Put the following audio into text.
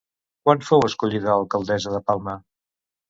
Quan fou escollida alcaldessa de Palma?